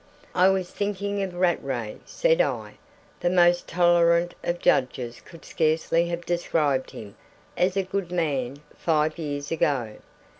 "I was thinking of Rattray," said I. "The most tolerant of judges could scarcely have described him as a good man five years ago.